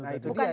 nah itu kan